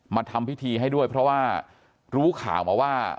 ทำพิธีให้ด้วยเพราะว่ารู้ข่าวมาว่า